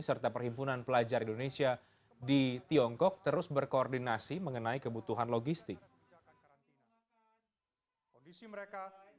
serta perhimpunan pelajar indonesia di tiongkok terus berkoordinasi mengenai kebutuhan logistik